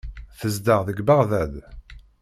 Tezdeɣ deg Beɣdad.